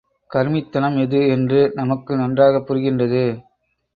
கருமித்தனம் எது? —என்று நமக்கு நன்றாகப் புரிகின்றது.